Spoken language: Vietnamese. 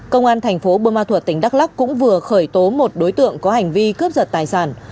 công an thành phố bơ ma thuật tỉnh đắk lắc cũng vừa khởi tố một đối tượng có hành vi cướp giật tài sản